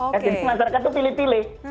jadi masyarakat itu pilih pilih